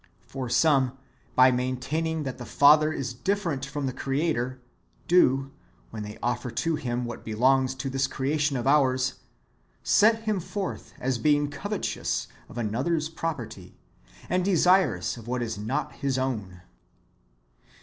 For some, by maintaining that the Father is different from the Creator, do, when they offer to Him what belongs to this creation of ours, set Him forth as being cove tous of another's property, and desirous of what is not His own.